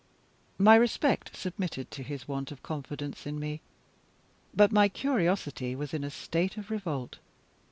My respect submitted to his want of confidence in me; but my curiosity was in a state of revolt.